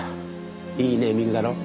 いいネーミングだろう？